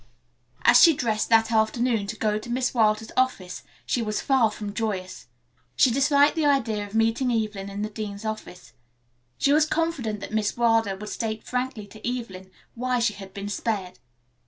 As she dressed that afternoon to go to Miss Wilder's office she was far from joyous. She disliked the idea of meeting Evelyn in the dean's office. She was confident that Miss Wilder would state frankly to Evelyn why she had been spared.